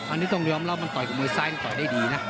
อันนี้ต้องยอมรับมันต่อยกับมวยซ้ายมันต่อยได้ดีนะ